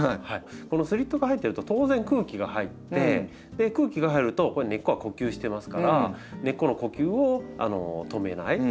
このスリットが入ってると当然空気が入って空気が入ると根っこは呼吸してますから根っこの呼吸を止めない。